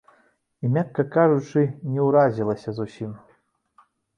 І, мякка кажучы, не ўразілася, зусім.